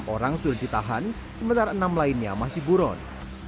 empat orang sudah ditahan sementara enam lainnya masih buron